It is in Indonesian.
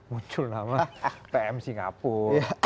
muncul nama pm singapura